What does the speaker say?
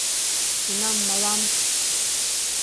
Кунам мылам